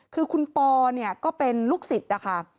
คือคุณปอเนี่ยก็เป็นลูกศิษย์นะคะ